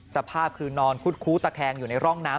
สภาพคือนอนคุดคู้ตะแคงอยู่ในร่องน้ำ